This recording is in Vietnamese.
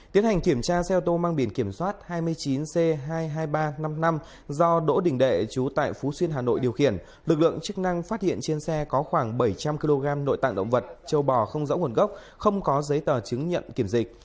tiến hành kiểm tra xe ô tô mang biển kiểm soát hai mươi chín c hai mươi hai nghìn ba trăm năm mươi năm do đỗ đình đệ chú tại phú xuyên hà nội điều khiển lực lượng chức năng phát hiện trên xe có khoảng bảy trăm linh kg nội tạng động vật châu bò không rõ nguồn gốc không có giấy tờ chứng nhận kiểm dịch